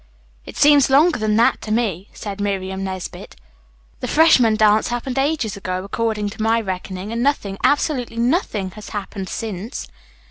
"It seems longer than that to me," said Miriam Nesbit. "The freshman dance happened ages ago, according to my reckoning, and nothing, absolutely nothing, has happened since."